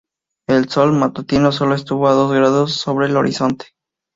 El Sol matutino solo estuvo a dos grados sobre el horizonte.